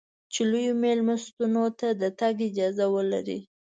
چې لویو مېلمستونو ته د تګ اجازه ولرې.